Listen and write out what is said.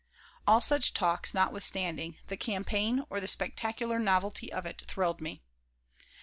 All such talks notwithstanding, the campaign, or the spectacular novelty of it, thrilled me.